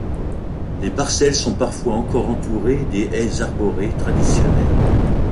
Les parcelles sont parfois encore entourées des haies arborées traditionnelles.